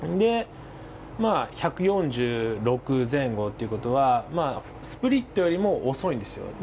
１４６前後ということはスプリットよりも遅いんですよ。